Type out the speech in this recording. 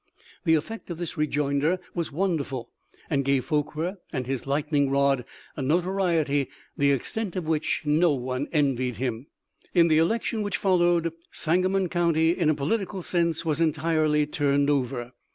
" The effect of this rejoinder was wonderful, and gave Forquer and his lightning rod a notoriety the extent of which no one envied him. In the election which followed, Sangamon county in a political sense was entirely turned over.